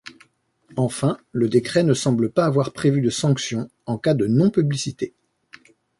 Enfin, le décret ne semble pas avoir prévu de sanctions en cas de non-publicité.